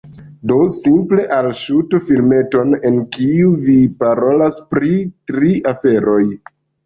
Do, simple alŝutu filmeton en kiu vi parolas pri tri aferoj